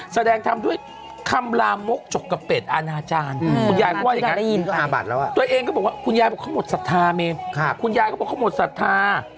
แสดงทำด้วยคำลามโมกจกกะเป็ดอานาจารย์หมดสัทธาเมพคุณยายก็บอกว่าเขาหมดสัทธา